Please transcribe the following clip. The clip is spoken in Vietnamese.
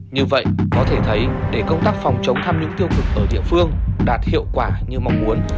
như vậy có thể thấy để công tác phòng chống tham nhũng tiêu cực ở địa phương đạt hiệu quả như mong muốn